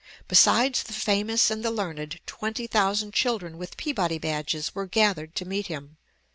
Besides the famous and the learned, twenty thousand children with Peabody badges were gathered to meet him.